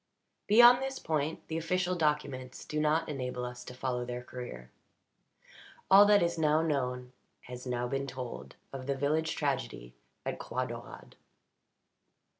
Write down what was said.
Beyond this point the official documents do not enable us to follow their career. All that is now known has been now told of the village tragedy at Croix Daurade.